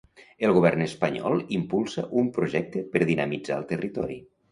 El govern espanyol impulsa un projecte per dinamitzar el territori.